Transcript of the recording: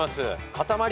「塊」？